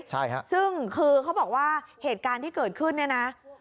ใช่ฮะซึ่งคือเขาบอกว่าเหตุการณ์ที่เกิดขึ้นเนี่ยนะ